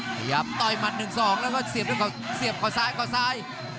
พยายามเต๋าอีมัด๑๒แล้วก็เสียบของซ้าย